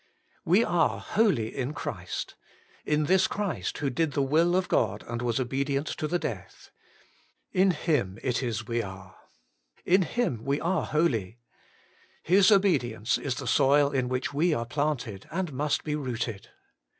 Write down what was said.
2. We are 'holy In Christ' in this Christ who did the will of God and was obedient to the death. In Him it Is we are ; in Him we are holy. His obedi ence is the soil in which we are planted, and must be rooted.